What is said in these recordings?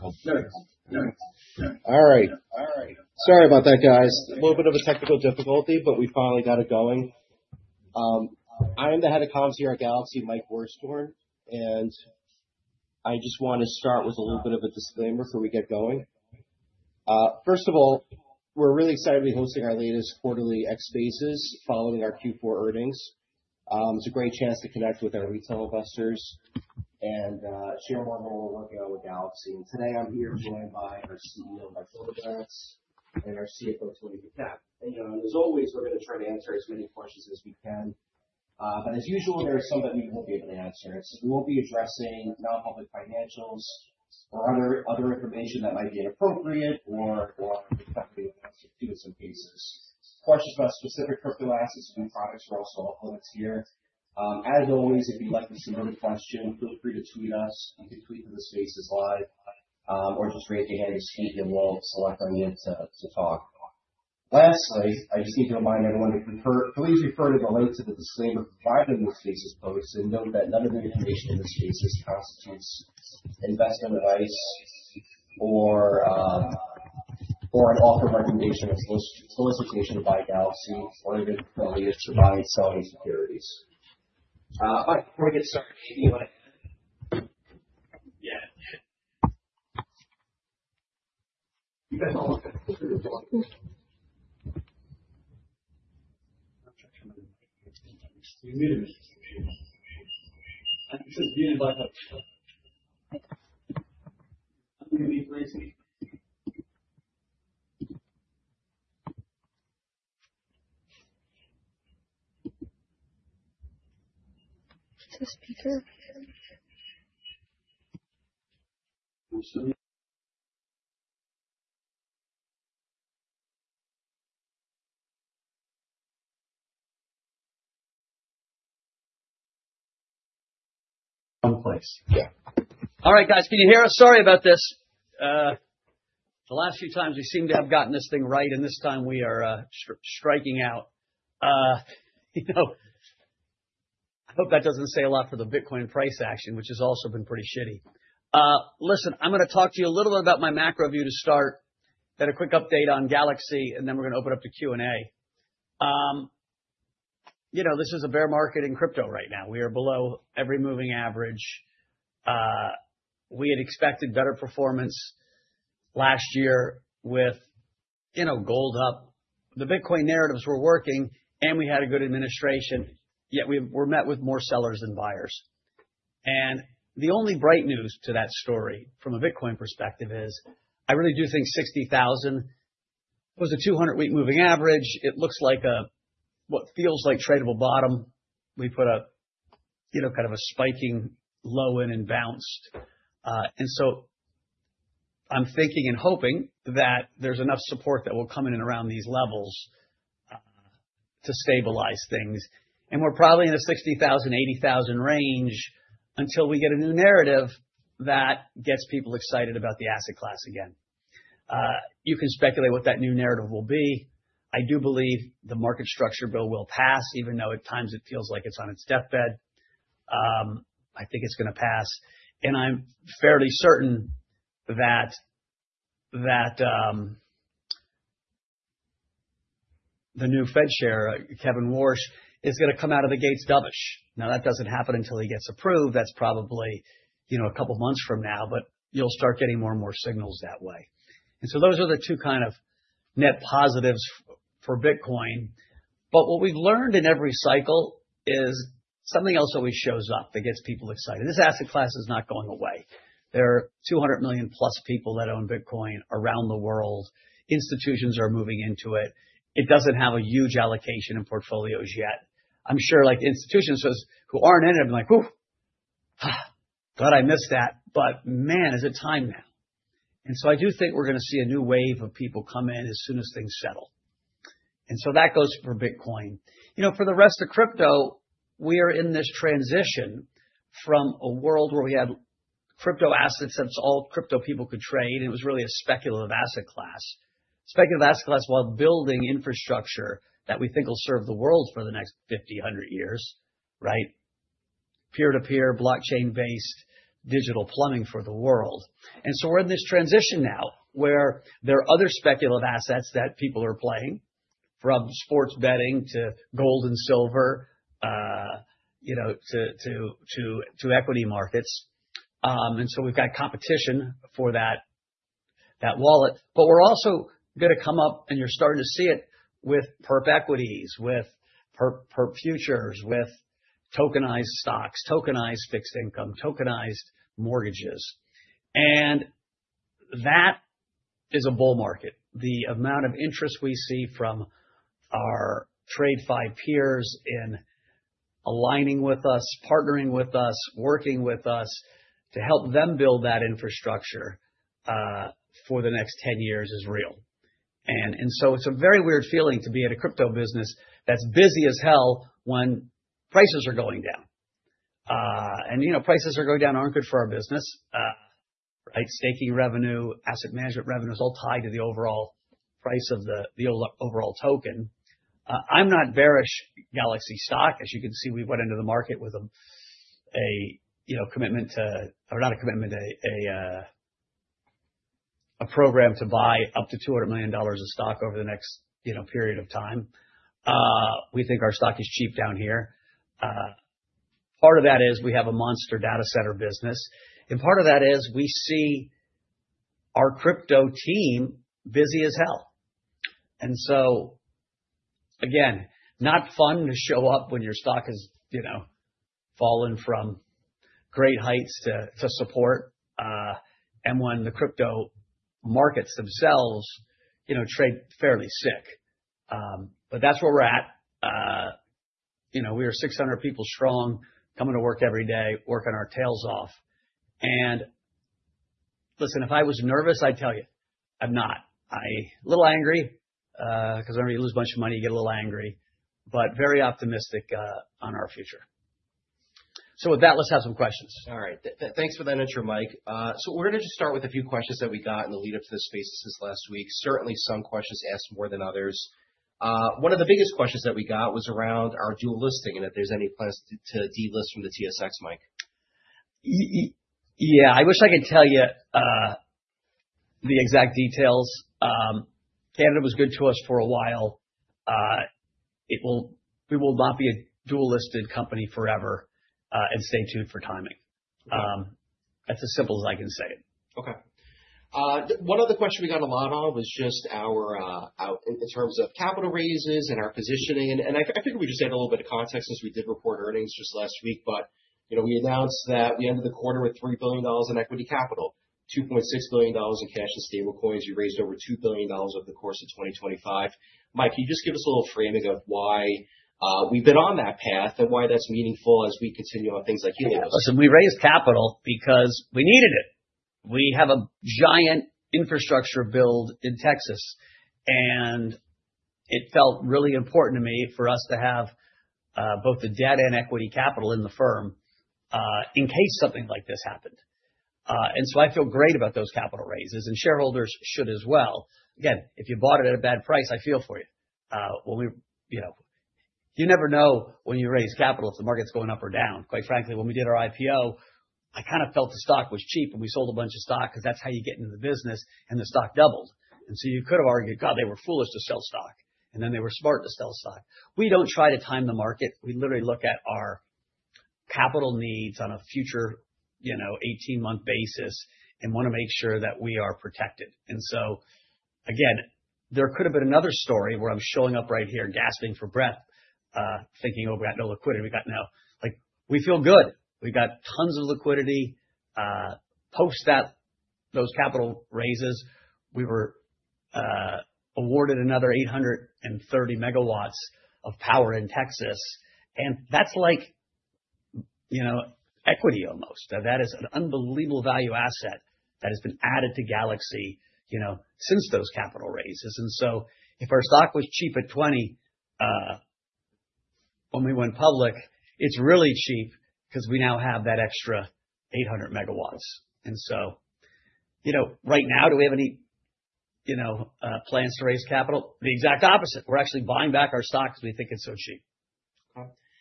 All right. Sorry about that, guys. A little bit of a technical difficulty, but we finally got it going. I am the Head of Comms here at Galaxy, Mike Wursthorn, and I just want to start with a little bit of a disclaimer before we get going. First of all, we're really excited to be hosting our latest quarterly X Spaces following our Q4 earnings. It's a great chance to connect with our retail investors and share more about what we're working on with Galaxy. And today I'm here joined by our CEO, Michael Novogratz, and our CFO, Tony Paquette. And, you know, as always, we're going to try to answer as many questions as we can. But as usual, there are some that we won't be able to answer. So we won't be addressing non-public financials or other information that might be inappropriate or company announcements in some cases. Questions about specific crypto assets and new products are also off limits here. As always, if you'd like to submit a question, feel free to tweet us. You can tweet when the space is live, or just raise your hand and speak, and we'll select on you to talk. Lastly, I just need to remind everyone to refer to the link to the disclaimer provided in this space's post, and note that none of the information in this space constitutes investment advice or an offer, recommendation, or solicitation to buy Galaxy or any of its affiliates, or buy and sell any securities. But before we get started, anybody? Yeah. One place. Yeah. All right, guys, can you hear us? Sorry about this. The last few times we seem to have gotten this thing right, and this time we are striking out. You know, I hope that doesn't say a lot for the Bitcoin price action, which has also been pretty shitty. Listen, I'm gonna talk to you a little about my macro view to start, then a quick update on Galaxy, and then we're gonna open up to Q&A. You know, this is a bear market in crypto right now. We are below every moving average. We had expected better performance last year with, you know, gold up. The Bitcoin narratives were working, and we had a good administration, yet we've... We're met with more sellers than buyers. The only bright news to that story, from a Bitcoin perspective, is I really do think 60,000 was a 200-week moving average. It looks like a what feels like tradable bottom. We put a, you know, kind of a spiking low in and bounced. And so I'm thinking and hoping that there's enough support that will come in and around these levels to stabilize things. And we're probably in the 60,000-80,000 range until we get a new narrative that gets people excited about the asset class again. You can speculate what that new narrative will be. I do believe the market structure bill will pass, even though at times it feels like it's on its deathbed. I think it's gonna pass, and I'm fairly certain that, that, the new Fed chair, Kevin Warsh, is gonna come out of the gates dovish. Now, that doesn't happen until he gets approved. That's probably, you know, a couple months from now, but you'll start getting more and more signals that way. And so those are the two kind of net positives for Bitcoin. But what we've learned in every cycle is something else always shows up that gets people excited. This asset class is not going away. There are 200 million plus people that own Bitcoin around the world. Institutions are moving into it. It doesn't have a huge allocation in portfolios yet. I'm sure, like, the institutions who aren't in it, are gonna be like, "Ooh, ah, God, I missed that, but man, is it time now?" And so I do think we're gonna see a new wave of people come in as soon as things settle. And so that goes for Bitcoin. You know, for the rest of crypto, we are in this transition from a world where we had crypto assets, that's all crypto people could trade. It was really a speculative asset class. Speculative asset class, while building infrastructure that we think will serve the world for the next 50, 100 years, right? Peer-to-peer, blockchain-based, digital plumbing for the world. And so we're in this transition now, where there are other speculative assets that people are playing, from sports betting to gold and silver, you know, to equity markets. And so we've got competition for that wallet. But we're also gonna come up, and you're starting to see it with perp equities, with perp futures, with tokenized stocks, tokenized fixed income, tokenized mortgages. And that is a bull market. The amount of interest we see from our TradFi peers in aligning with us, partnering with us, working with us to help them build that infrastructure for the next 10 years is real. And so it's a very weird feeling to be at a crypto business that's busy as hell when prices are going down. You know, prices going down aren't good for our business. Right, staking revenue, asset management revenue is all tied to the overall price of the overall token. I'm not bearish Galaxy stock. As you can see, we went into the market with a, you know, commitment to – or not a commitment, a program to buy up to $200 million of stock over the next, you know, period of time. We think our stock is cheap down here. Part of that is we have a monster data center business, and part of that is we see our crypto team busy as hell. And so, again, not fun to show up when your stock has, you know, fallen from great heights to support, and when the crypto markets themselves, you know, trade fairly sick. But that's where we're at. You know, we are 600 people strong, coming to work every day, working our tails off. And listen, if I was nervous, I'd tell you. I'm not. I... Little angry, 'cause whenever you lose a bunch of money, you get a little angry, but very optimistic on our future. With that, let's have some questions. All right. Thanks for that intro, Mike. So we're gonna just start with a few questions that we got in the lead-up to this space since last week. Certainly, some questions asked more than others. One of the biggest questions that we got was around our dual listing, and if there's any plans to delist from the TSX, Mike? Yeah, I wish I could tell you the exact details. Canada was good to us for a while. We will not be a dual-listed company forever, and stay tuned for timing. That's as simple as I can say it. Okay. One other question we got a lot on was just our, our... In terms of capital raises and our positioning, and I think we just add a little bit of context, since we did report earnings just last week, but, you know, we announced that we ended the quarter with $3 billion in equity capital, $2.6 billion in cash and stablecoins. You raised over $2 billion over the course of 2025. Mike, can you just give us a little framing of why we've been on that path and why that's meaningful as we continue on things like Helios? Listen, we raised capital because we needed it. We have a giant infrastructure build in Texas, and it felt really important to me for us to have both the debt and equity capital in the firm, in case something like this happened. So I feel great about those capital raises, and shareholders should as well. Again, if you bought it at a bad price, I feel for you. You know, you never know when you raise capital, if the market's going up or down. Quite frankly, when we did our IPO, I kind of felt the stock was cheap, and we sold a bunch of stock because that's how you get into the business, and the stock doubled. You could have argued, "God, they were foolish to sell stock," and then, "They were smart to sell stock." We don't try to time the market. We literally look at our capital needs on a future, you know, 18-month basis and wanna make sure that we are protected. So, again, there could have been another story where I'm showing up right here, gasping for breath, thinking, "Oh, we got no liquidity. We got no..." Like, we feel good. We've got tons of liquidity. Post that, those capital raises, we were awarded another 830 MW of power in Texas, and that's like, you know, equity almost. Now, that is an unbelievable value asset that has been added to Galaxy, you know, since those capital raises. If our stock was cheap at $20 when we went public, it's really cheap because we now have that extra 800 MW. You know, right now, do we have any, you know, plans to raise capital? The exact opposite. We're actually buying back our stock because we think it's so cheap.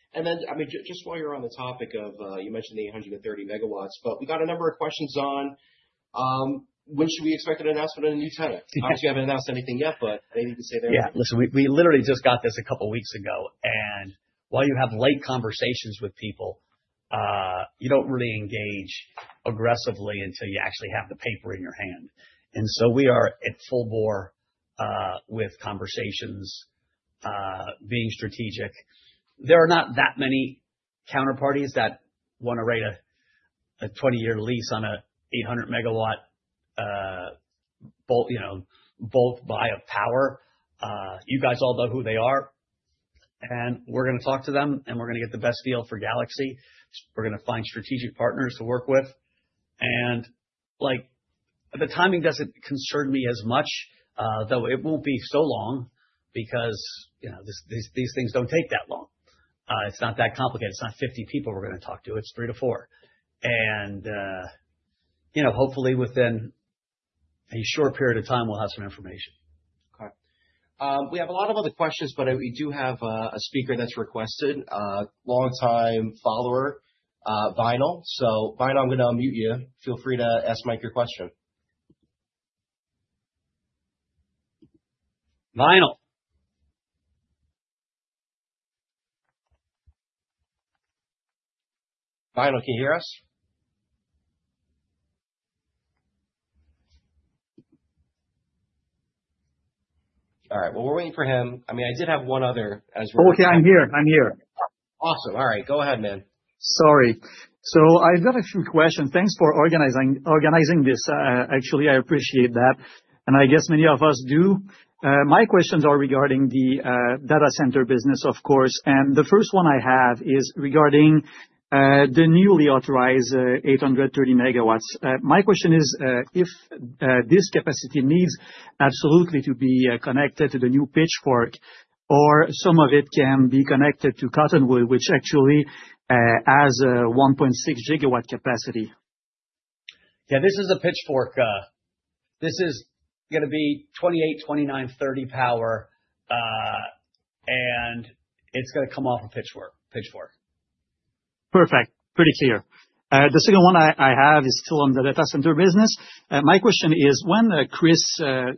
Okay. And then, I mean, just while you're on the topic of, you mentioned the 830 MW, but we got a number of questions on, when should we expect an announcement on a new tenant? Obviously, you haven't announced anything yet, but they need to say there. Yeah. Listen, we literally just got this a couple weeks ago, and while you have light conversations with people, you don't really engage aggressively until you actually have the paper in your hand. And so we are at full bore with conversations, being strategic. There are not that many counterparties that wanna write a 20-year lease on a 800 MW bulk buy of power. You guys all know who they are, and we're gonna talk to them, and we're gonna get the best deal for Galaxy. We're gonna find strategic partners to work with. And, like, the timing doesn't concern me as much, though it won't be so long because, you know, these things don't take that long. It's not that complicated. It's not 50 people we're gonna talk to. It's three to four. You know, hopefully, within a short period of time, we'll have some information. Okay. We have a lot of other questions, but we do have a speaker that's requested a longtime follower, Vinyl. So Vinyl, I'm gonna unmute you. Feel free to ask Mike your question. Vinyl? Vinyl, can you hear us? All right, well, we're waiting for him. I mean, I did have one other as we're- Okay, I'm here. I'm here. Awesome. All right, go ahead, man. Sorry. So I've got a few questions. Thanks for organizing this. Actually, I appreciate that, and I guess many of us do. My questions are regarding the data center business, of course, and the first one I have is regarding the newly authorized 830 MW. My question is, if this capacity needs absolutely to be connected to the new Pitchfork, or some of it can be connected to Cottonwood, which actually has a 1.6 GW capacity? Yeah, this is a Pitchfork. This is gonna be 28, 29, 30 power, and it's gonna come off of Pitchfork. Perfect. Pretty clear. The second one I have is still on the data center business. My question is, when Chris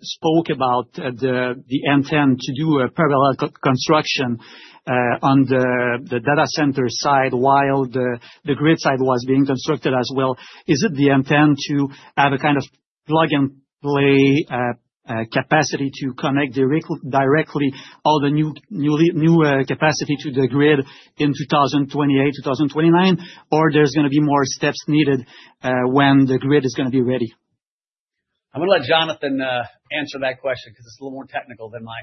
spoke about the intent to do a parallel construction on the data center side, while the grid side was being constructed as well, is it the intent to have a kind of plug and play capacity to connect directly all the new capacity to the grid in 2028, 2029? Or there's gonna be more steps needed when the grid is gonna be ready? I'm gonna let Jonathan answer that question because it's a little more technical than my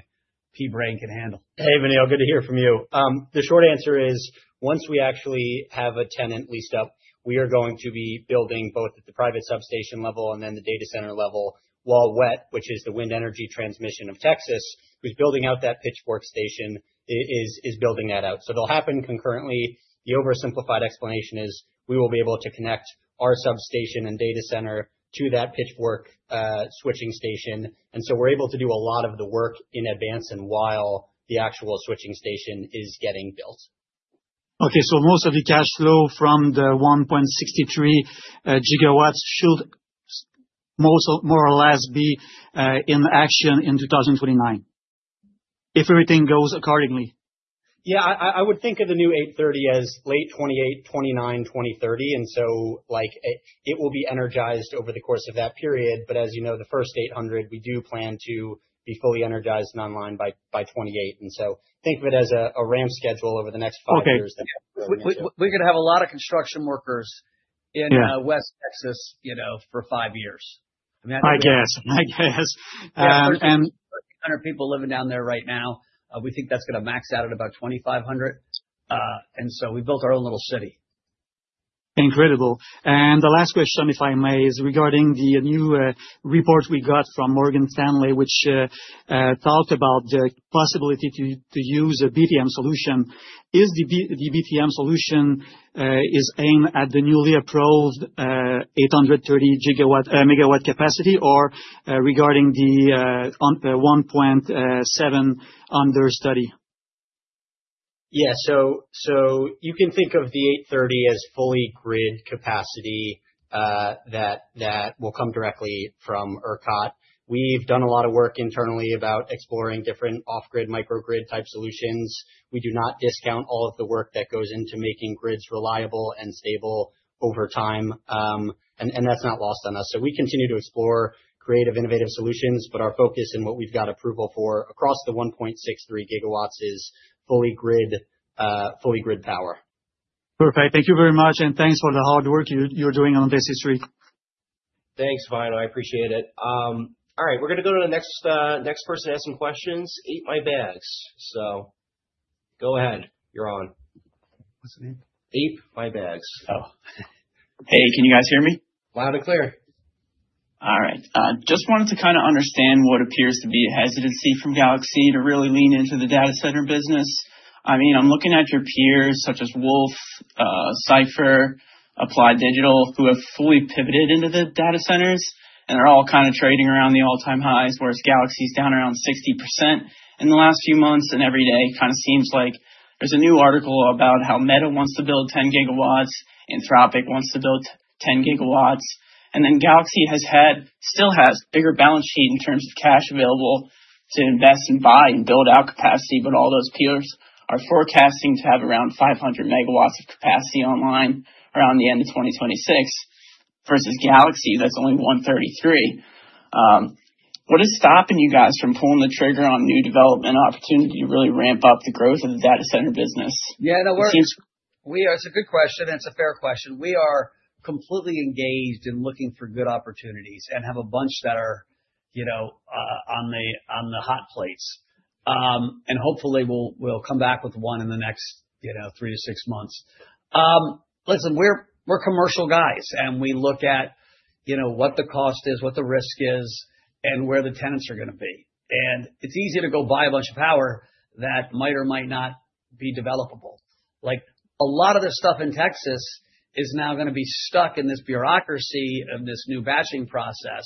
pea brain can handle. Hey, Vinyl, good to hear from you. The short answer is, once we actually have a tenant leased up, we are going to be building both at the private substation level and then the data center level, while WETT, which is the Wind Energy Transmission Texas, who's building out that Pitchfork station, is building that out. So they'll happen concurrently. The oversimplified explanation is we will be able to connect our substation and data center to that Pitchfork switching station, and so we're able to do a lot of the work in advance and while the actual switching station is getting built. Okay. So most of the cash flow from the 1.63 GW should more or less be in action in 2029, if everything goes accordingly? Yeah, I would think of the new 830 as late 2028, 2029, 2030, and so, like, it will be energized over the course of that period. But as you know, the first 800, we do plan to be fully energized and online by 2028. And so think of it as a ramp schedule over the next five years. Okay. We're gonna have a lot of construction workers in West Texas, you know, for five years. I mean, that- I guess. I guess. And- 100 people living down there right now. We think that's gonna max out at about 2,500. And so we built our own little city. Incredible. And the last question, if I may, is regarding the new report we got from Morgan Stanley, which talked about the possibility to use a BTM solution. Is the BTM solution aimed at the newly approved 830 gigawatt megawatt capacity or regarding the 1.7 under study? Yeah. So you can think of the 830 as fully grid capacity, that will come directly from ERCOT. We've done a lot of work internally about exploring different off-grid, microgrid type solutions. We do not discount all of the work that goes into making grids reliable and stable over time, and that's not lost on us. So we continue to explore creative, innovative solutions, but our focus and what we've got approval for across the 1.63 GW is fully grid power. Perfect. Thank you very much, and thanks for the hard work you're doing on business street. Thanks, Vinyl. I appreciate it. All right. We're gonna go to the next person asking questions. Ape My Bags, so go ahead. You're on. What's the name? Ape My Bags. Oh. Hey, can you guys hear me? Loud and clear. All right. Just wanted to kind of understand what appears to be a hesitancy from Galaxy to really lean into the data center business. I mean, I'm looking at your peers, such as WULF, Cipher, Applied Digital, who have fully pivoted into the data centers, and they're all kind of trading around the all-time highs, whereas Galaxy's down around 60% in the last few months, and every day kind of seems like there's a new article about how Meta wants to build 10 GW, Anthropic wants to build 10 GW, and then Galaxy has had—still has bigger balance sheet in terms of cash available to invest, and buy, and build out capacity, but all those peers are forecasting to have around 500 MW of capacity online around the end of 2026 versus Galaxy, that's only 133. What is stopping you guys from pulling the trigger on new development opportunity to really ramp up the growth of the data center business? Yeah, no, we're- It seems- It's a good question, and it's a fair question. We are completely engaged in looking for good opportunities and have a bunch that are, you know, on the hot plates. And hopefully, we'll come back with one in the next, you know, three to six months. Listen, we're commercial guys, and we look at, you know, what the cost is, what the risk is, and where the tenants are gonna be. And it's easy to go buy a bunch of power that might or might not be developable. Like, a lot of this stuff in Texas is now gonna be stuck in this bureaucracy of this new batching process,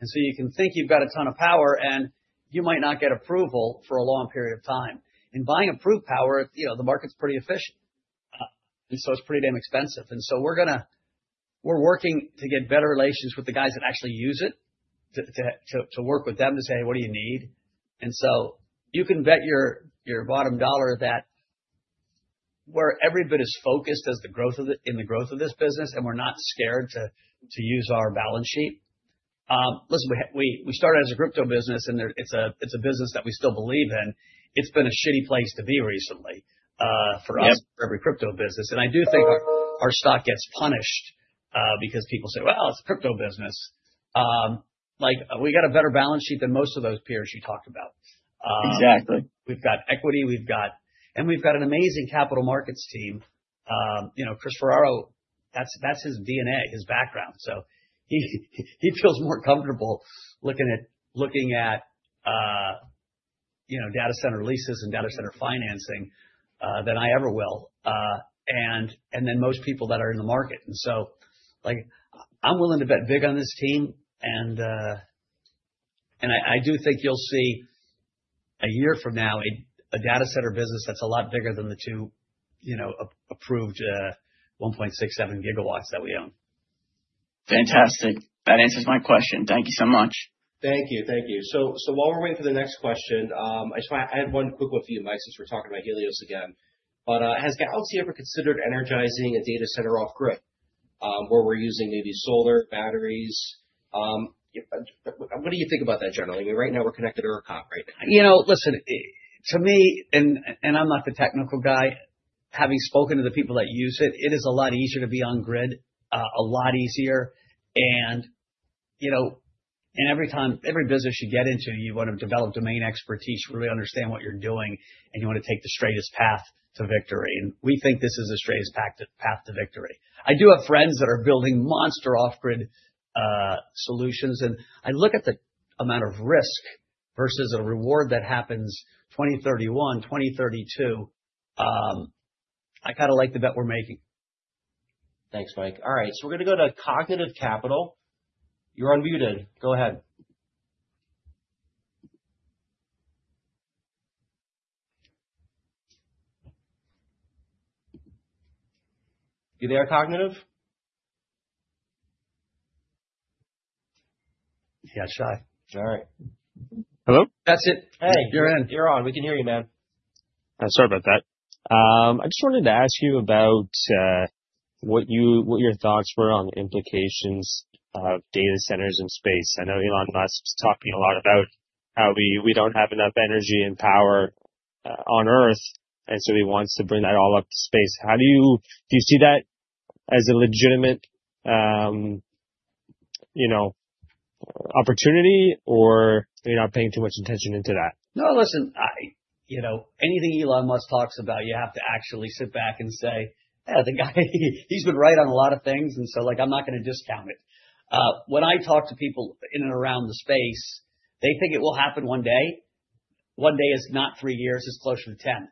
and so you can think you've got a ton of power, and you might not get approval for a long period of time. And buying approved power, you know, the market's pretty efficient, and so it's pretty damn expensive. And so we're gonna we're working to get better relations with the guys that actually use it, to work with them to say, "What do you need?" And so you can bet your bottom dollar that we're every bit as focused on the growth of this business, and we're not scared to use our balance sheet. Listen, we started as a crypto business, and it's a business that we still believe in. It's been a shitty place to be recently, for us for every crypto business, and I do think our, our stock gets punished, because people say, "Well, it's crypto business." Like, we got a better balance sheet than most of those peers you talked about. Exactly. We've got equity, we've got... and we've got an amazing capital markets team. You know, Chris Ferraro, that's, that's his DNA, his background, so he, he feels more comfortable looking at, you know, data center leases and data center financing than I ever will. And than most people that are in the market. And so, like, I'm willing to bet big on this team, and I do think you'll see a year from now, a data center business that's a lot bigger than the two, you know, approved 1.67 GW that we own. Fantastic. That answers my question. Thank you so much. Thank you. Thank you. So, while we're waiting for the next question, I just want—I have one quick one for you, Mike, since we're talking about Helios again. But, has Galaxy ever considered energizing a data center off grid, where we're using maybe solar batteries? What do you think about that generally? I mean, right now we're connected to our ERCOT, right? You know, listen, to me, and I'm not the technical guy, having spoken to the people that use it, it is a lot easier to be on grid, a lot easier. And, you know, and every business you get into, you want to develop domain expertise, really understand what you're doing, and you want to take the straightest path to victory. And we think this is the straightest path to victory. I do have friends that are building monster off-grid solutions, and I look at the amount of risk versus a reward that happens 2031, 2032, I kind of like the bet we're making. Thanks, Mike. All right, so we're gonna go to Cognitive Capital. You're unmuted. Go ahead. You there, Cognitive? Yeah, shy. All right. Hello? That's it. Hey. You're in. You're on. We can hear you, man. Sorry about that. I just wanted to ask you about what your thoughts were on the implications of data centers in space. I know Elon Musk is talking a lot about how we don't have enough energy and power on Earth, and so he wants to bring that all up to space. How do you see that as a legitimate, you know, opportunity, or you're not paying too much attention into that? No, listen. You know, anything Elon Musk talks about, you have to actually sit back and say, "Yeah, the guy, he's been right on a lot of things," and so, like, I'm not gonna discount it. When I talk to people in and around the space, they think it will happen one day. One day is not three years, it's closer to ten.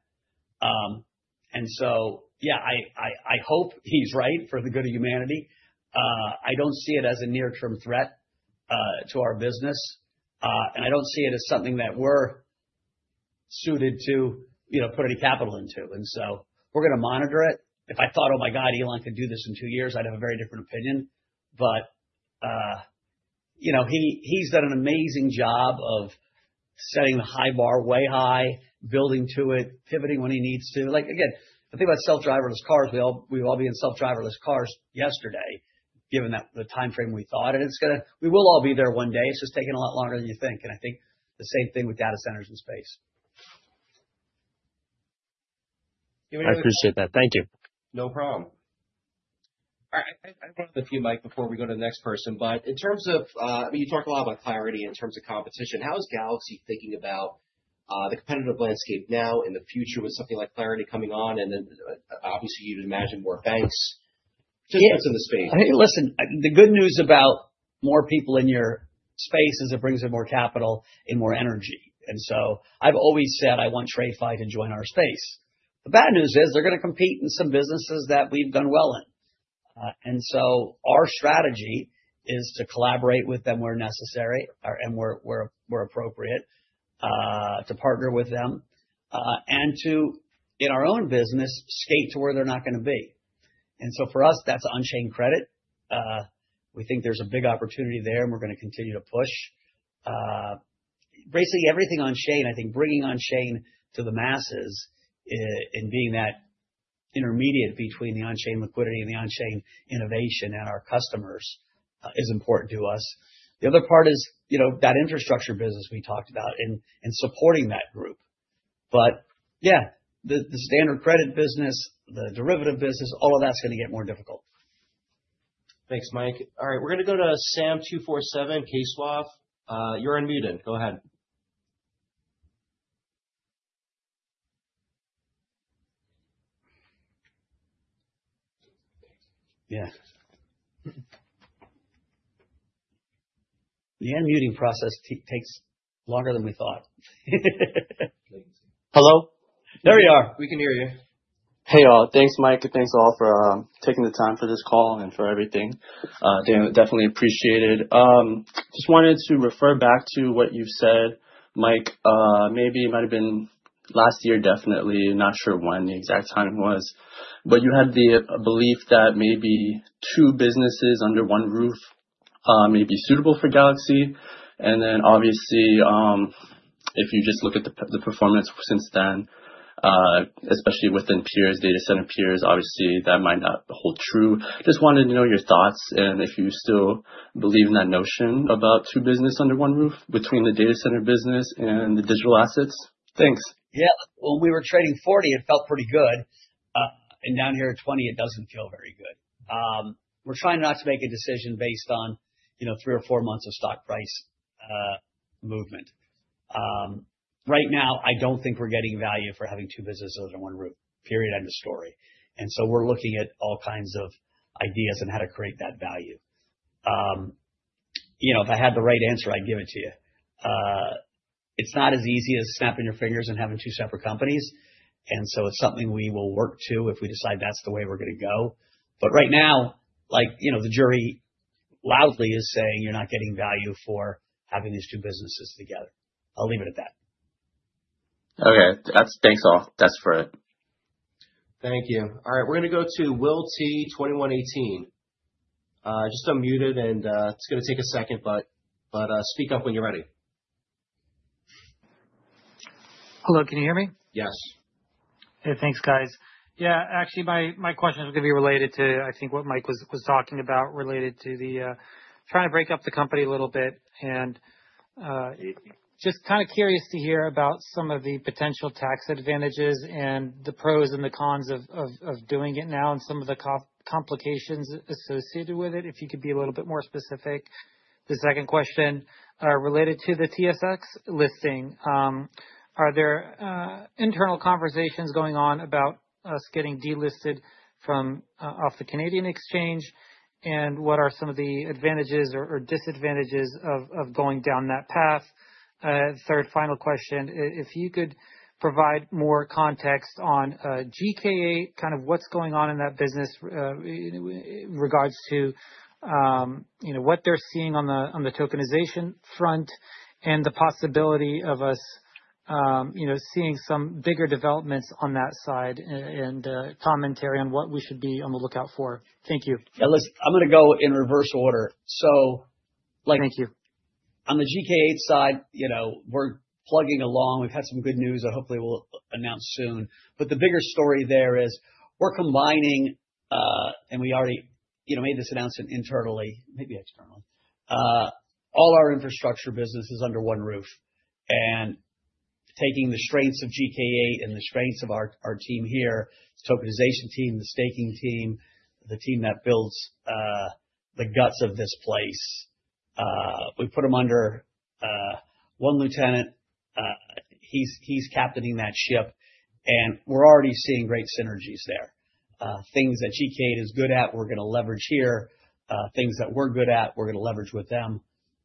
And so, yeah, I hope he's right for the good of humanity. I don't see it as a near-term threat to our business, and I don't see it as something that we're suited to, you know, put any capital into. And so we're gonna monitor it. If I thought, "Oh, my God, Elon could do this in two years," I'd have a very different opinion. But, you know, he, he's done an amazing job of setting the high bar way high, building to it, pivoting when he needs to. Like, again, the thing about self-driverless cars, we all, we'd all be in self-driverless cars yesterday, given that the timeframe we thought, and it's gonna—we will all be there one day. It's just taking a lot longer than you think, and I think the same thing with data centers in space. I appreciate that. Thank you. No problem. All right. I have a few, Mike, before we go to the next person. But in terms of, I mean, you talk a lot about clarity in terms of competition. How is Galaxy thinking about the competitive landscape now in the future with something like clarity coming on, and then, obviously, you'd imagine more banks just getting into the space? I think, listen, the good news about more people in your space is it brings in more capital and more energy, and so I've always said I want TradFi to join our space. The bad news is they're gonna compete in some businesses that we've done well in. And so our strategy is to collaborate with them where necessary, and where appropriate, to partner with them, and to, in our own business, skate to where they're not gonna be. And so for us, that's on-chain credit. We think there's a big opportunity there, and we're gonna continue to push. Basically, everything on-chain, I think bringing on-chain to the masses, and being that intermediate between the on-chain liquidity and the on-chain innovation and our customers, is important to us. The other part is, you know, that infrastructure business we talked about and supporting that group. But yeah, the standard credit business, the derivative business, all of that's gonna get more difficult. Thanks, Mike. All right, we're gonna go to Sam 247 KSW. You're unmuted. Go ahead. Yeah. The unmuting process takes longer than we thought. Hello? There we are. We can hear you. Hey, all. Thanks, Mike, and thanks, all, for taking the time for this call and for everything. Definitely appreciated. Just wanted to refer back to what you've said, Mike. Maybe it might have been last year, definitely, not sure when the exact timing was, but you had the belief that maybe two businesses under one roof may be suitable for Galaxy. And then, obviously, if you just look at the performance since then, especially within peers, data center peers, obviously, that might not hold true. Just wanted to know your thoughts, and if you still believe in that notion about two business under one roof, between the data center business and the digital assets. Thanks. Yeah. When we were trading 40, it felt pretty good. And down here at 20, it doesn't feel very good. We're trying not to make a decision based on, you know, three or four months of stock price movement. Right now, I don't think we're getting value for having two businesses under one roof, period, end of story. And so we're looking at all kinds of ideas on how to create that value... You know, if I had the right answer, I'd give it to you. It's not as easy as snapping your fingers and having two separate companies, and so it's something we will work to if we decide that's the way we're gonna go. But right now, like, you know, the jury loudly is saying you're not getting value for having these two businesses together. I'll leave it at that. Okay, that's. Thanks, all. That's fair. Thank you. All right, we're gonna go to Will T, 2118. Just unmute it and, it's gonna take a second, but, speak up when you're ready. Hello, can you hear me? Yes. Hey, thanks, guys. Yeah, actually, my question is gonna be related to, I think, what Mike was talking about, related to trying to break up the company a little bit. And just kind of curious to hear about some of the potential tax advantages and the pros and the cons of doing it now and some of the complications associated with it. If you could be a little bit more specific. The second question, related to the TSX listing, are there internal conversations going on about us getting delisted from off the Canadian exchange? And what are some of the advantages or disadvantages of going down that path? Third, final question. If you could provide more context on GK8, kind of what's going on in that business, in regards to, you know, what they're seeing on the tokenization front, and the possibility of us seeing some bigger developments on that side and commentary on what we should be on the lookout for. Thank you. Yeah, listen, I'm gonna go in reverse order. So, like- Thank you. On the GK8 side, you know, we're plugging along. We've had some good news that hopefully we'll announce soon. But the bigger story there is, we're combining, and we already, you know, made this announcement internally, maybe externally. All our infrastructure business is under one roof. And taking the strengths of GK8 and the strengths of our, our team here, the tokenization team, the staking team, the team that builds, the guts of this place, we put them under one lieutenant. He's, he's captaining that ship, and we're already seeing great synergies there. Things that GK8 is good at, we're gonna leverage here. Things that we're good at, we're gonna leverage with them.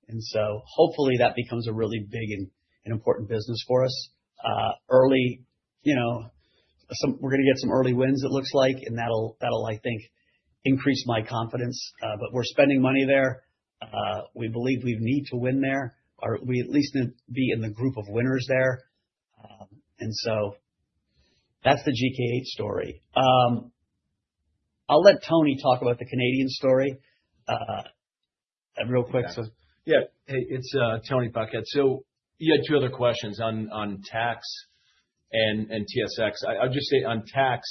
And so hopefully, that becomes a really big and, and important business for us. Early... You know, some -- we're gonna get some early wins, it looks like, and that'll, I think, increase my confidence. But we're spending money there. We believe we need to win there, or we at least need to be in the group of winners there. And so that's the GK8 story. I'll let Tony talk about the Canadian story, real quick. So- Yeah. Hey, it's Tony Paquette. So you had two other questions on tax and TSX. I'll just say on tax,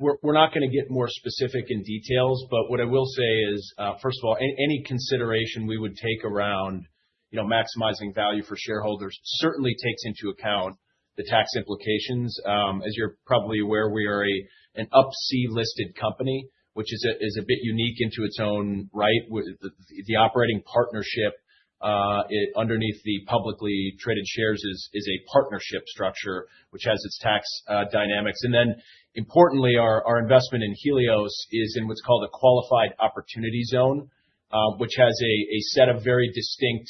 we're not gonna get more specific in details, but what I will say is, first of all, any consideration we would take around, you know, maximizing value for shareholders certainly takes into account the tax implications. As you're probably aware, we are an Up-C-listed company, which is a bit unique into its own right. The operating partnership, it underneath the publicly traded shares is a partnership structure, which has its tax dynamics. And then, importantly, our investment in Helios is in what's called a Qualified Opportunity Zone, which has a set of very distinct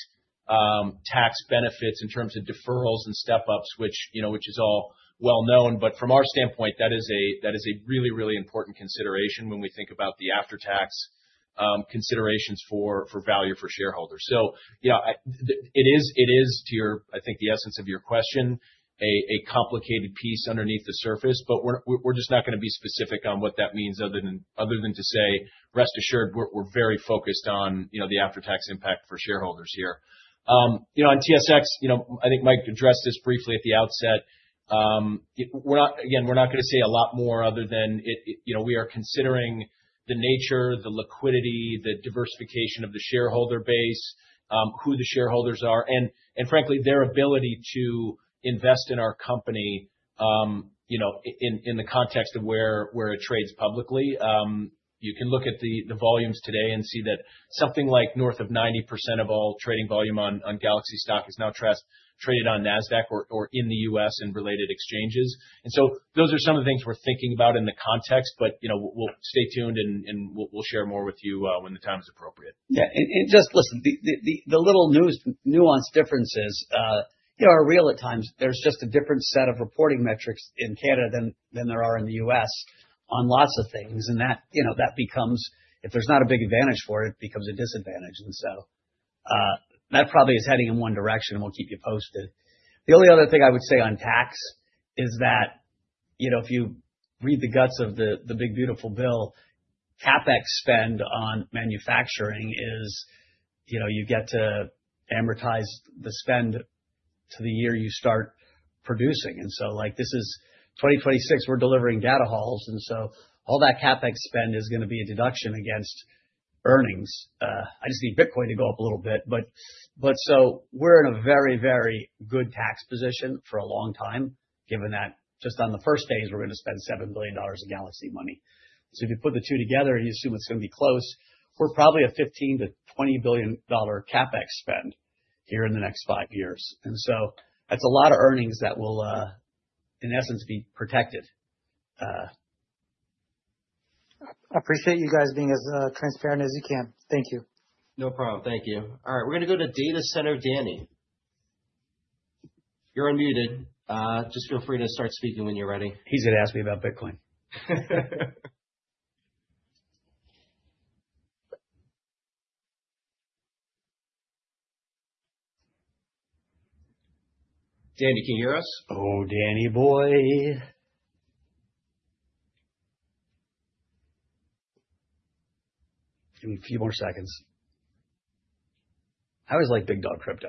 tax benefits in terms of deferrals and step-ups, which, you know, is all well known. But from our standpoint, that is a really, really important consideration when we think about the after-tax considerations for value for shareholders. So, you know, it is to your... I think the essence of your question, a complicated piece underneath the surface, but we're just not gonna be specific on what that means other than to say: rest assured, we're very focused on, you know, the after-tax impact for shareholders here. You know, on TSX, you know, I think Mike addressed this briefly at the outset. We're not -- again, we're not gonna say a lot more other than it, you know, we are considering the nature, the liquidity, the diversification of the shareholder base, who the shareholders are, and, and frankly, their ability to invest in our company, you know, in, in the context of where, where it trades publicly. You can look at the volumes today and see that something like north of 90% of all trading volume on Galaxy stock is now traded on NASDAQ or in the U.S. and related exchanges. So those are some of the things we're thinking about in the context, but, you know, we'll stay tuned, and, and we'll share more with you when the time is appropriate. Yeah, and just listen, the little news—nuanced differences, you know, are real at times. There's just a different set of reporting metrics in Canada than there are in the U.S. on lots of things. And that, you know, that becomes, if there's not a big advantage for it, becomes a disadvantage. And so, that probably is heading in one direction, and we'll keep you posted. The only other thing I would say on tax is that, you know, if you read the guts of the big, beautiful bill, CapEx spend on manufacturing is, you know, you get to amortize the spend to the year you start producing. And so, like, this is 2026, we're delivering data halls, and so all that CapEx spend is gonna be a deduction against earnings. I just need Bitcoin to go up a little bit. But, but so we're in a very, very good tax position for a long time, given that just on the first phase, we're gonna spend $7 billion of Galaxy money. So if you put the two together, and you assume it's gonna be close, we're probably a $15 billion-$20 billion CapEx spend here in the next five years. And so that's a lot of earnings that will, in essence, be protected. ... I appreciate you guys being as transparent as you can. Thank you. No problem. Thank you. All right, we're gonna go to Data Center Danny. You're unmuted. Just feel free to start speaking when you're ready. He's gonna ask me about Bitcoin. Danny, can you hear us? Oh, Danny boy. Give him a few more seconds. How is like Big Dog Crypto?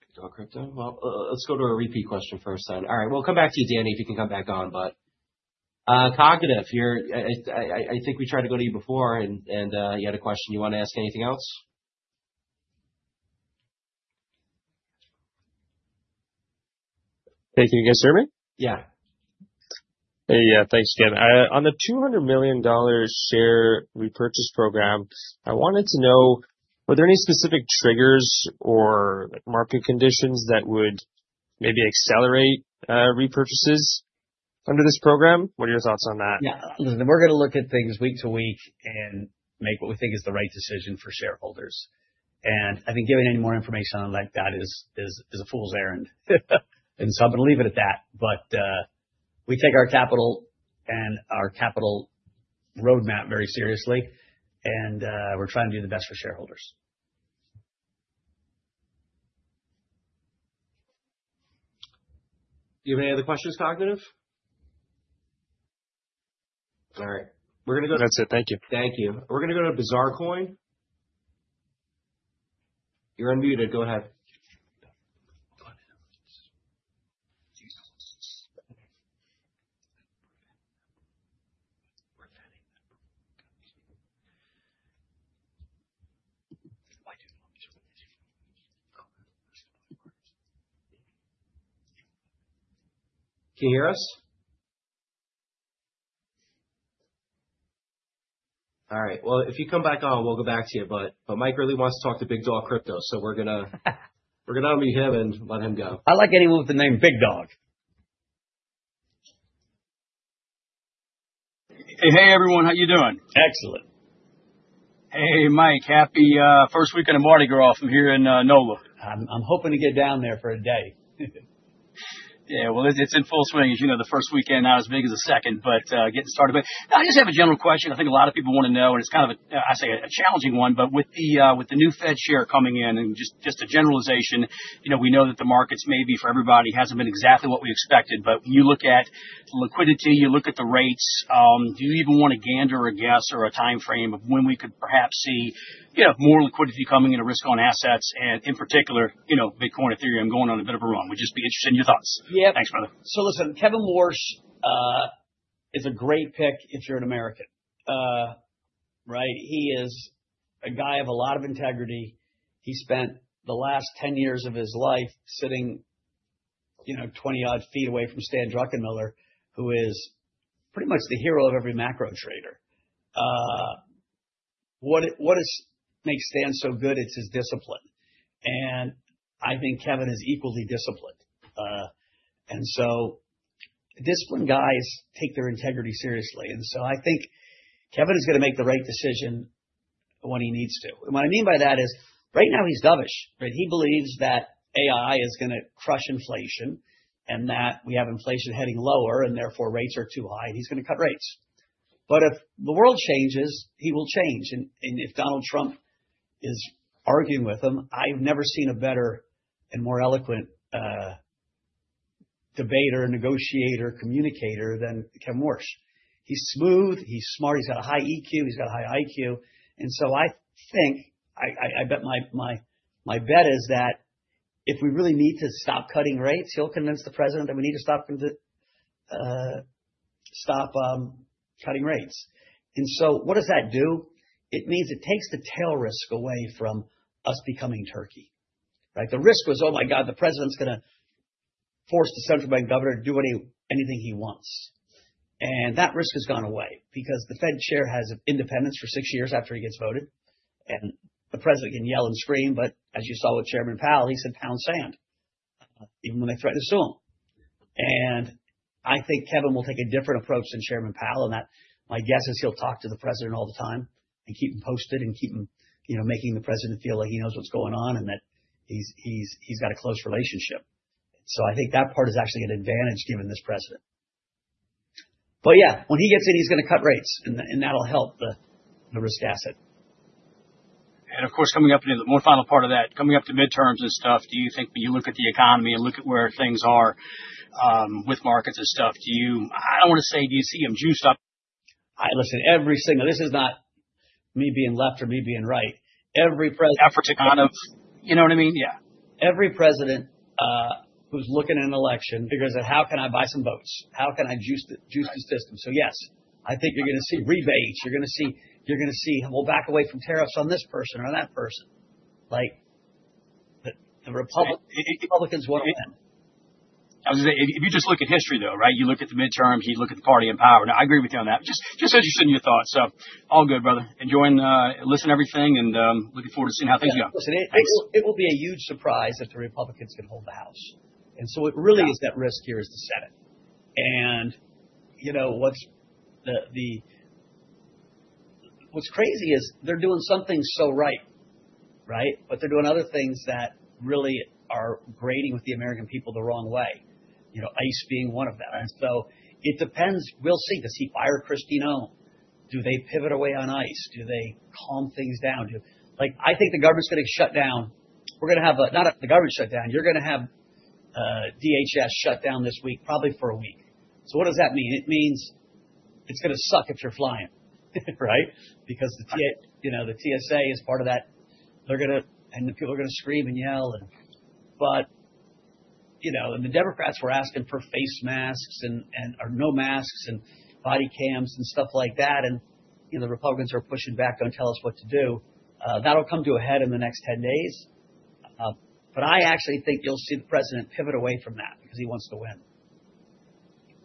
Big Dog Crypto? Well, let's go to a repeat question first then. All right, we'll come back to you, Danny, if you can come back on, but Cognitive, you're I think we tried to go to you before and you had a question. You wanna ask anything else? Hey, can you guys hear me? Yeah. Yeah, thanks again. On the $200 million share repurchase program, I wanted to know, were there any specific triggers or market conditions that would maybe accelerate repurchases under this program? What are your thoughts on that? Yeah. Listen, we're gonna look at things week to week and make what we think is the right decision for shareholders. I think giving any more information on like that is a fool's errand. So I'm gonna leave it at that. But we take our capital and our capital roadmap very seriously, and we're trying to do the best for shareholders. Do you have any other questions, Cognitive? All right, we're gonna go to- That's it. Thank you. Thank you. We're gonna go to Bizarre Coin. You're unmuted. Go ahead. Can you hear us? All right, well, if you come back on, we'll go back to you, but Mike really wants to talk to Big Dog Crypto, so we're gonna unmute him and let him go. I like anyone with the name Big Dog. Hey, hey, everyone. How you doing? Excellent. Hey, Mike, happy first weekend of Mardi Gras from here in Nola. I'm hoping to get down there for a day. Yeah, well, it, it's in full swing. As you know, the first weekend, not as big as the second, but getting started. But I just have a general question. I think a lot of people wanna know, and it's kind of a, I say, a challenging one, but with the new Fed chair coming in and just, just a generalization, you know, we know that the markets maybe for everybody, hasn't been exactly what we expected. But when you look at liquidity, you look at the rates, do you even want to gander or guess or a timeframe of when we could perhaps see, you know, more liquidity coming into risk on assets and in particular, you know, Bitcoin, Ethereum, going on a bit of a run. Would just be interested in your thoughts. Yeah. Thanks, brother. So listen, Kevin Warsh is a great pick if you're an American. Right? He is a guy of a lot of integrity. He spent the last 10 years of his life sitting, you know, 20-odd feet away from Stan Druckenmiller, who is pretty much the hero of every macro trader. Makes Stan so good, it's his discipline, and I think Kevin is equally disciplined. And so disciplined guys take their integrity seriously. And so I think Kevin is gonna make the right decision when he needs to. And what I mean by that is, right now he's dovish, right? He believes that AI is gonna crush inflation and that we have inflation heading lower and therefore rates are too high and he's gonna cut rates. But if the world changes, he will change. If Donald Trump is arguing with him, I've never seen a better and more eloquent debater, negotiator, communicator than Kevin Warsh. He's smooth, he's smart, he's got a high EQ, he's got a high IQ. And so I think I bet my bet is that if we really need to stop cutting rates, he'll convince the president that we need to stop cutting rates. And so what does that do? It means it takes the tail risk away from us becoming Turkey, right? The risk was, "Oh, my God, the president's gonna force the Central Bank governor to do anything he wants." And that risk has gone away because the Fed chair has independence for six years after he gets voted, and the president can yell and scream, but as you saw with Chairman Powell, he stood pound sand, even when they threatened to sue him. And I think Kevin will take a different approach than Chairman Powell, in that my guess is he'll talk to the president all the time and keep him posted and keep him, you know, making the president feel like he knows what's going on and that he's got a close relationship. So I think that part is actually an advantage given this president. But yeah, when he gets in, he's gonna cut rates, and that'll help the risk asset. And of course, coming up into the more final part of that, coming up to midterms and stuff, do you think when you look at the economy and look at where things are, with markets and stuff, do you... I don't want to say, do you see them juiced up? Listen, every single. This is not me being left or me being right. Every president- Effort to kind of- You know what I mean? Yeah. Every president who's looking at an election figures out, how can I buy some votes? How can I juice the- Right. Juice the system? So, yes, I think you're gonna see rebates, you're gonna see, you're gonna see we'll back away from tariffs on this person or that person. Like, the Republicans want to win. I was gonna say, if you just look at history, though, right? You look at the midterms, you look at the party in power. Now, I agree with you on that. Just interested in your thoughts, so all good, brother. Enjoying the... Listen to everything, and looking forward to seeing how things go. Listen, it will be a huge surprise if the Republicans can hold the House. And so what really is at risk here is the Senate. And, you know, what's crazy is they're doing something so right, right? But they're doing other things that really are grating with the American people the wrong way. You know, ICE being one of them. And so it depends. We'll see. Does he fire Kristi Noem? Do they pivot away on ICE? Do they calm things down? Like, I think the government's gonna shut down. We're gonna have not a, the government shut down. You're gonna have DHS shut down this week, probably for a week. So what does that mean? It means it's gonna suck if you're flying, right? Because you know, the TSA is part of that. They're gonna... The people are gonna scream and yell. But, you know, the Democrats were asking for face masks and or no masks and body cams and stuff like that. You know, the Republicans are pushing back, "Don't tell us what to do." That'll come to a head in the next 10 days. But I actually think you'll see the president pivot away from that because he wants to win.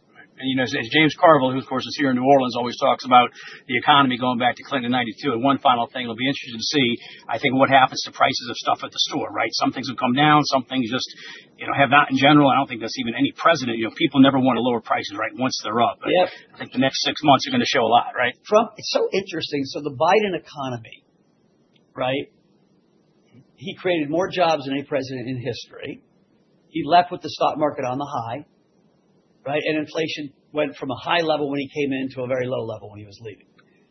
Right. And, you know, as James Carville, who, of course, is here in New Orleans, always talks about the economy going back to Clinton 1992. And one final thing, it'll be interesting to see, I think, what happens to prices of stuff at the store, right? Some things will come down, some things just, you know, have not in general. I don't think there's even any precedent. You know, people never want to lower prices, right, once they're up. Yeah. I think the next six months are gonna show a lot, right? Trump, it's so interesting. So the Biden economy, right, he created more jobs than any president in history. He left with the stock market on the high, right? And inflation went from a high level when he came in to a very low level when he was leaving.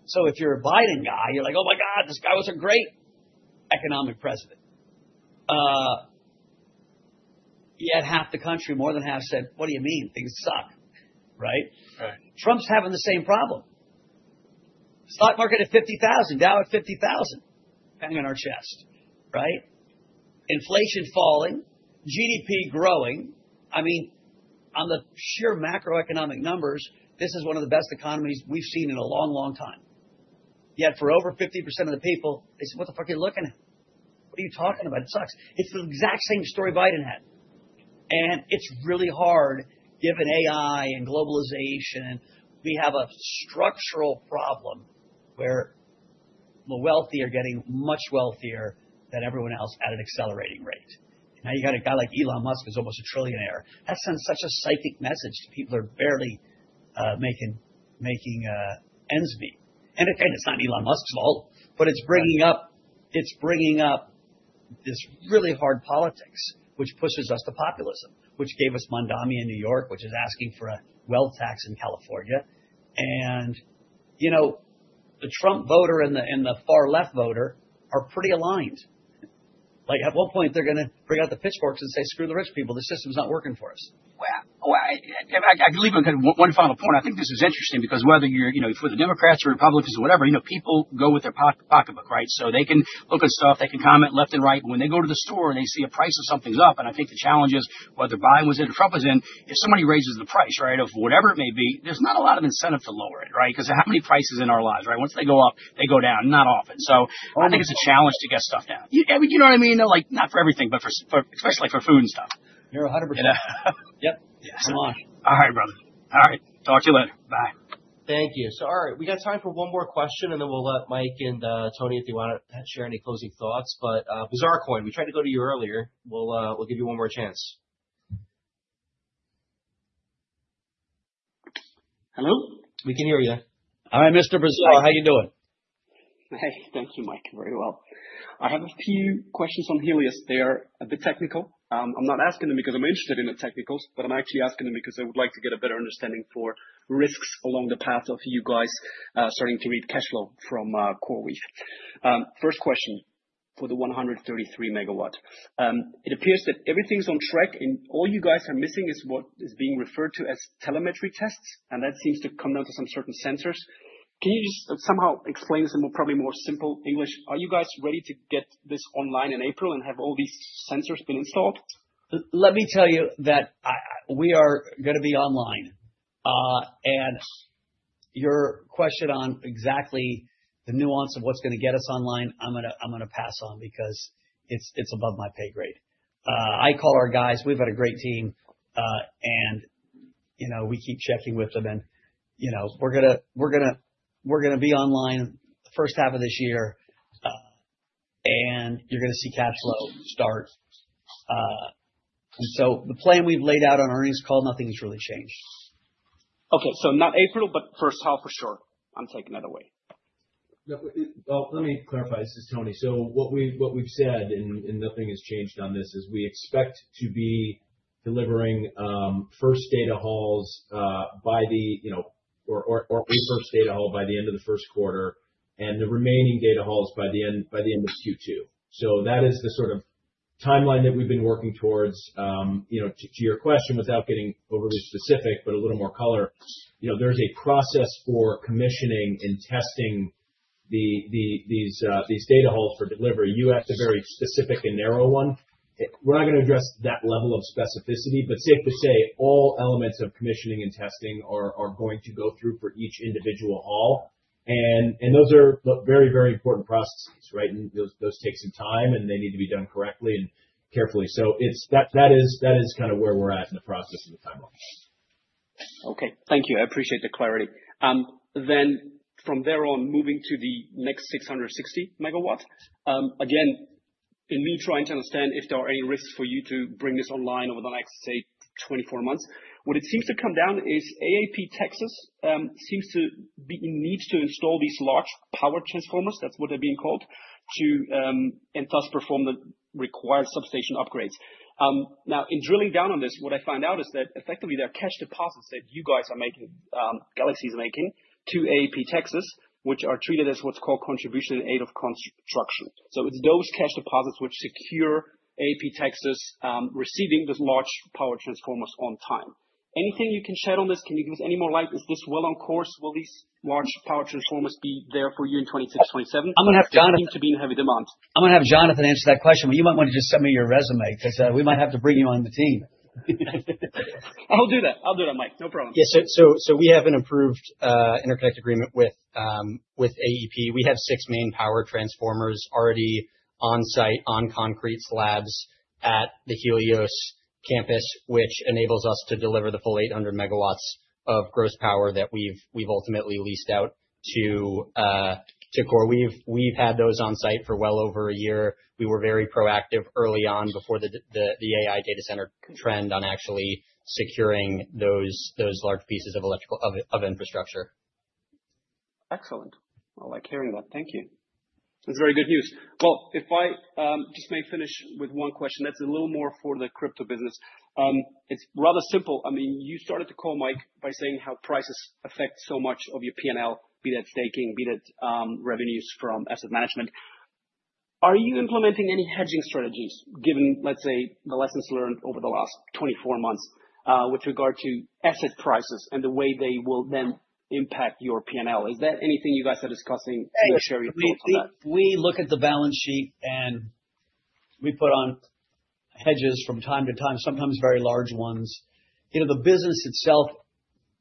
So if you're a Biden guy, you're like, "Oh, my God, this guy was a great economic president." Yet half the country, more than half said, "What do you mean? Things suck," right? Right. Trump's having the same problem. Stock market at 50,000, down at 50,000, hanging on our chest, right? Inflation falling, GDP growing. I mean, on the sheer macroeconomic numbers, this is one of the best economies we've seen in a long, long time. Yet for over 50% of the people, they say, "What the fuck are you looking at? What are you talking about? It sucks." It's the exact same story Biden had, and it's really hard given AI and globalization. We have a structural problem where the wealthy are getting much wealthier than everyone else at an accelerating rate. Now, you got a guy like Elon Musk, who's almost a trillionaire. That sends such a psychic message to people who are barely making ends meet. And again, it's not Elon Musk's fault, but it's bringing up, it's bringing up this really hard politics, which pushes us to populism, which gave us Mamdani in New York, which is asking for a wealth tax in California. And, you know, the Trump voter and the, and the far left voter are pretty aligned. Like, at what point, they're gonna bring out the pitchforks and say, "Screw the rich people. The system's not working for us. Well, I believe and one final point. I think this is interesting because whether you're, you know, for the Democrats or Republicans or whatever, you know, people go with their pocketbook, right? So they can look at stuff, they can comment left and right, when they go to the store and they see a price of something's up, and I think the challenge is, whether Biden was in or Trump was in, if somebody raises the price, right, of whatever it may be, there's not a lot of incentive to lower it, right? Because how many prices in our lives, right, once they go up, they go down? Not often. So I think it's a challenge to get stuff down. I mean, you know what I mean, though? Like, not for everything, but especially for food and stuff. You're 100%- Yep. Yes. So am I. All right, brother. All right. Talk to you later. Bye. Thank you. So, all right, we got time for one more question, and then we'll let Mike and Tony, if they wanna share any closing thoughts. But, Bizarre Coin, we tried to go to you earlier. We'll give you one more chance. Hello? We can hear you. Hi, Mr. Bizarre. How you doing? Hey. Thank you, Mike, very well. I have a few questions on Helios. They are a bit technical. I'm not asking them because I'm interested in the technicals, but I'm actually asking them because I would like to get a better understanding for risks along the path of you guys starting to read cash flow from CoreWeave. First question, for the 133 MW, it appears that everything's on track, and all you guys are missing is what is being referred to as telemetry tests, and that seems to come down to some certain sensors. Can you just somehow explain this in more, probably more simple English? Are you guys ready to get this online in April and have all these sensors being installed? Let me tell you that I... We are gonna be online. And your question on exactly the nuance of what's gonna get us online, I'm gonna pass on because it's above my pay grade. I call our guys. We've got a great team, and, you know, we keep checking with them and, you know, we're gonna be online the first half of this year, and you're gonna see cash flow start. And so the plan we've laid out on our earnings call, nothing's really changed. Okay. Not April, but first half for sure. I'm taking that away. Yeah, well, let me clarify. This is Tony. So what we've, what we've said, and nothing has changed on this, is we expect to be delivering first data halls by the, you know, or first data hall by the end of the first quarter, and the remaining data halls by the end of Q2. So that is the sort of timeline that we've been working towards. You know, to your question, without getting overly specific, but a little more color, you know, there's a process for commissioning and testing these data halls for delivery. You asked a very specific and narrow one. We're not gonna address that level of specificity, but safe to say, all elements of commissioning and testing are going to go through for each individual hall, and those are the very, very important processes, right? And those take some time, and they need to be done correctly and carefully. So it's... That is kind of where we're at in the process and the timeline. Okay. Thank you. I appreciate the clarity. Then from there on, moving to the next 660 MW, in me trying to understand if there are any risks for you to bring this online over the next, say, 24 months. What it seems to come down is AEP Texas seems to be it needs to install these large power transformers, that's what they're being called, to and thus perform the required substation upgrades. Now, in drilling down on this, what I found out is that effectively there are cash deposits that you guys are making, Galaxy is making to AEP Texas, which are treated as what's called contribution in aid of construction. So it's those cash deposits which secure AEP Texas receiving these large power transformers on time. Anything you can share on this? Can you give us any more light? Is this well on course? Will these large power transformers be there for you in 2026, 2027? I'm gonna have Jonathan- They seem to be in heavy demand. I'm gonna have Jonathan answer that question, but you might want to just send me your resume, 'cause, we might have to bring you on the team. I'll do that. I'll do that, Mike, no problem. Yeah. So we have an approved interconnect agreement with AEP. We have six main power transformers already on site, on concrete slabs at the Helios campus, which enables us to deliver the full 800 MW of gross power that we've ultimately leased out to CoreWeave. We've had those on site for well over a year. We were very proactive early on before the AI data center trend on actually securing those large pieces of electrical infrastructure. Excellent. I like hearing that. Thank you. That's very good news. Well, if I just may finish with one question that's a little more for the crypto business. It's rather simple. I mean, you started the call, Mike, by saying how prices affect so much of your P&L, be that staking, be that revenues from asset management. Are you implementing any hedging strategies, given, let's say, the lessons learned over the last 24 months with regard to asset prices and the way they will then impact your P&L? Is that anything you guys are discussing, and share your thoughts on that? We look at the balance sheet, and we put on hedges from time to time, sometimes very large ones. You know, the business itself,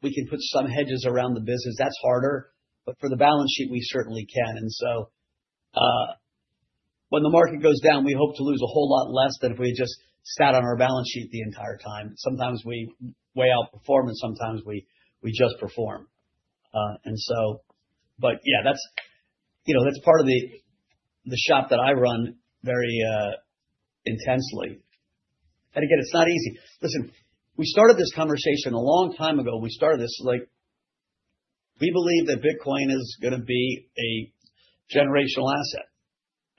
we can put some hedges around the business. That's harder, but for the balance sheet, we certainly can. And so, when the market goes down, we hope to lose a whole lot less than if we just sat on our balance sheet the entire time. Sometimes we way outperform, and sometimes we just perform. And so... But yeah, that's, you know, that's part of the shop that I run very intensely. And again, it's not easy. Listen, we started this conversation a long time ago. We started this, like, we believe that Bitcoin is gonna be a generational asset.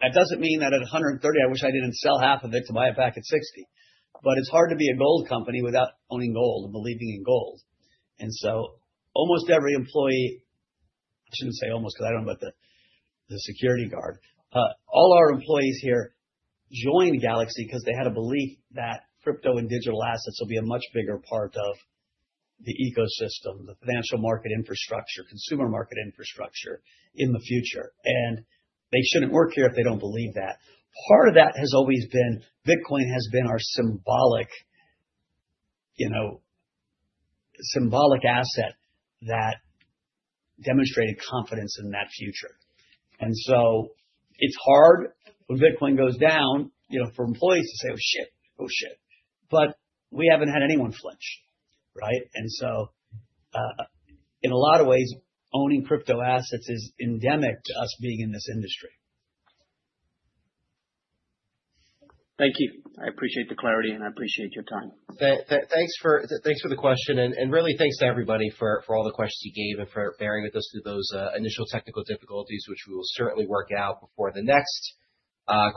That doesn't mean that at $130, I wish I didn't sell half of it to buy it back at $60. But it's hard to be a gold company without owning gold and believing in gold. And so almost every employee, I shouldn't say almost, 'cause I don't know about the security guard. All our employees here joined Galaxy because they had a belief that crypto and digital assets will be a much bigger part of the ecosystem, the financial market infrastructure, consumer market infrastructure in the future, and they shouldn't work here if they don't believe that. Part of that has always been, Bitcoin has been our symbolic, you know, symbolic asset that demonstrated confidence in that future. And so it's hard when Bitcoin goes down, you know, for employees to say, "Oh, shit. Oh, shit!" But we haven't had anyone flinch, right? In a lot of ways, owning crypto assets is endemic to us being in this industry. Thank you. I appreciate the clarity, and I appreciate your time. Thanks for the question. And really thanks to everybody for all the questions you gave and for bearing with us through those initial technical difficulties, which we will certainly work out before the next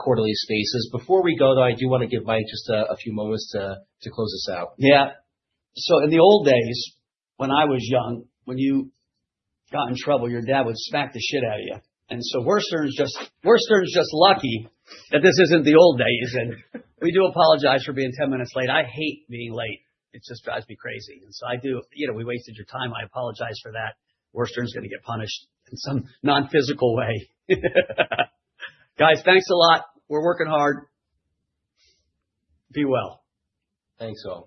quarterly Spaces. Before we go, though, I do want to give Mike just a few moments to close us out. Yeah. So in the old days, when I was young, when you got in trouble, your dad would smack the shit out of you. And so Worster is just, Worster is just lucky that this isn't the old days. And we do apologize for being 10 minutes late. I hate being late. It just drives me crazy. And so I do... You know, we wasted your time, I apologize for that. Worster is gonna get punished in some non-physical way. Guys, thanks a lot. We're working hard. Be well. Thanks, all.